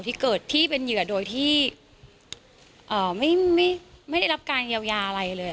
ที่เกิดที่เป็นเหยื่อโดยที่ไม่ได้รับการเยียวยาอะไรเลย